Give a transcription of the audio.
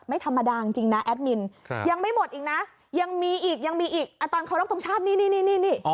เออกากมธจังชาติอยู่แนนพื้นทญี่ปรับชาติ